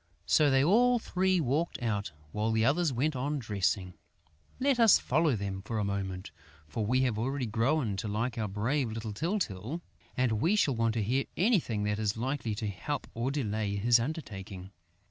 So they all three walked out, while the others went on dressing. Let us follow them for a moment, for we have already grown to like our brave little Tyltyl and we shall want to hear anything that is likely to help or delay his undertaking.